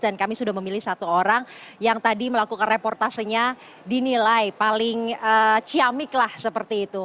dan kami sudah memilih satu orang yang tadi melakukan reportasenya dinilai paling ciamik lah seperti itu